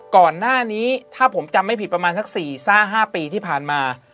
ก่อนหน้านี้ถ้าผมจำไม่ผิดประมาณสัก๔๕ปีที่ผ่านมา